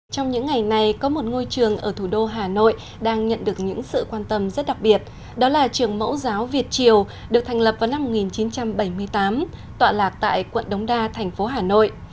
trong những ngày này có một ngôi trường ở thủ đô hà nội đang nhận được những sự quan tâm rất đặc biệt đó là trường mẫu giáo việt triều được thành lập vào năm một nghìn chín trăm bảy mươi tám tọa lạc tại quận đống đa thành phố hà nội